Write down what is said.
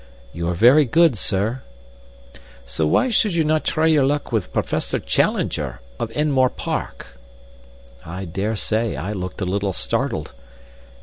"You are very good, sir." "So why should you not try your luck with Professor Challenger, of Enmore Park?" I dare say I looked a little startled.